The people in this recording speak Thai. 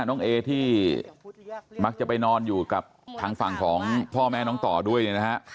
น้องเอที่มักจะไปนอนอยู่กับทางฝั่งของพ่อแม่น้องต่อด้วยเนี่ยนะฮะ